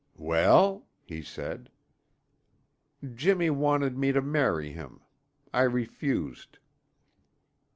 "Well?" he said. "Jimmy wanted me to marry him. I refused."